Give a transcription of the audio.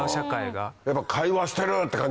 やっぱ「会話してる！」って感じだった？